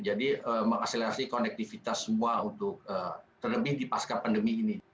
jadi mengakselerasi konektivitas semua untuk terlebih di pasca pandemi ini